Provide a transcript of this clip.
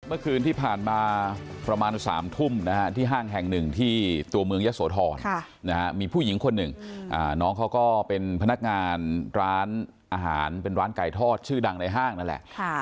เมื่อคืนที่ผ่านมาประมาณ๓ทุ่มที่ห้างแห่งหนึ่งที่ตัวเมืองยะโสธรมีผู้หญิงคนหนึ่งน้องเขาก็เป็นพนักงานร้านอาหารเป็นร้านไก่ทอดชื่อดังในห้างนั่นแหละ